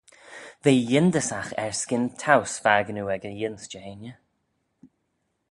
V'eh yindyssagh er-skyn towse fakin oo ec y yiense Jeheiney.